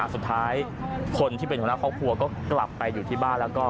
สุดท้ายคนที่เป็นหัวหน้าครอบครัวก็กลับไปอยู่ที่บ้านแล้วก็